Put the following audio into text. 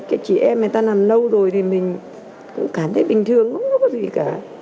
cái chị em người ta làm lâu rồi thì mình cũng cảm thấy bình thường không có gì cả